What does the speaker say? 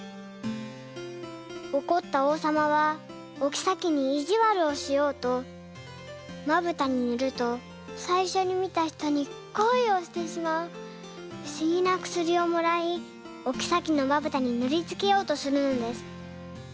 おこったおうさまはおきさきにいじわるをしようと「まぶたにぬるとさいしょに見たひとに恋をしてしまうふしぎなくすり」をもらいおきさきのまぶたにぬりつけようとするのです。